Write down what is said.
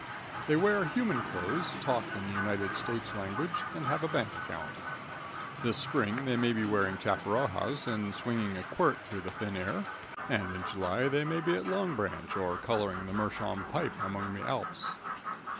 They wear human clothes, talk in the United States language, and have a bank account. This spring they may be wearing chaparajos and swinging a quirt through the thin air, and in July they may be at Long Branch, or coloring a meerschaum pipe among the Alps.